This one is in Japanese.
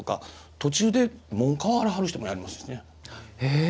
途中で紋、変わらはる人もいますしね。